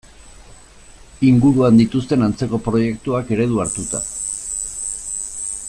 Inguruan dituzten antzeko proiektuak eredu hartuta.